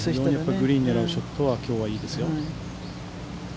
グリーンをねらうショットはきょうは、いいですよ。